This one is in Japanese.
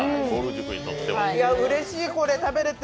いや、うれしい、これ食べれて。